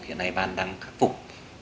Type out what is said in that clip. hiện nay ban đang khắc phục